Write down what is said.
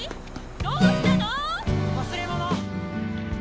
どうしたの⁉忘れ物！